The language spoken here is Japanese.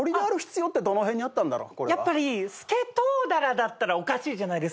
やっぱりスケトウダラだったらおかしいじゃないですか。